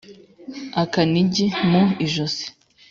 -Akanigi mu ijosi.